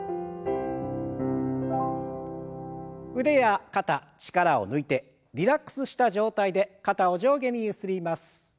腕や肩力を抜いてリラックスした状態で肩を上下にゆすります。